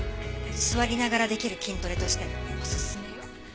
座りながらできる筋トレとしておすすめよ。